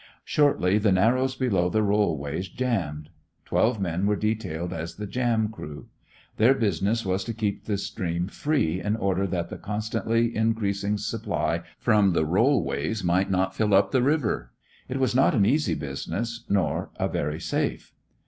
Shortly the narrows below the rollways jammed. Twelve men were detailed as the jam crew. Their business was to keep the stream free in order that the constantly increasing supply from the rollways might not fill up the river. It was not an easy business, nor a very safe.